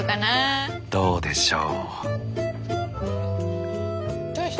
どうでしょう？